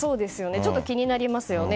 ちょっと気になりますよね。